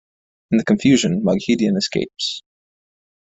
In the confusion, Moghedien escapes.